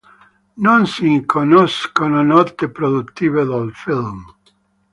Non si conoscono note produttive del film.